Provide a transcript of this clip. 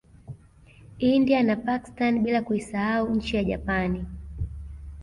India na Pakstani bila kuisahau nchi ya Japani